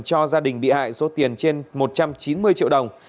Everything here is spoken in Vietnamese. cho gia đình bị hại số tiền trên một trăm chín mươi triệu đồng